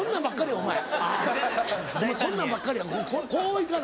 お前こんなんばっかりやこう行かな。